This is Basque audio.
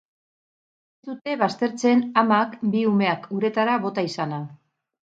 Ez dute baztertzen amak bi umeak uretara bota izana.